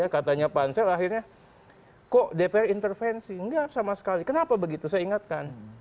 katanya pansel akhirnya kok dpr intervensi enggak sama sekali kenapa begitu saya ingatkan